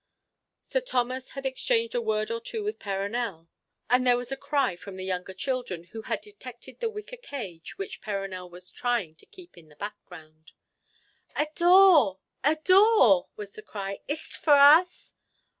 Sir Thomas had exchanged a word or two with Perronel, when there was a cry from the younger children, who had detected the wicker cage which Perronel was trying to keep in the background. "A daw! a daw!" was the cry. "Is't for us?"